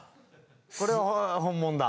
これは本物だ。